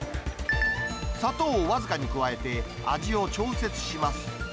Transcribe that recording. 砂糖を僅かに加えて、味を調節します。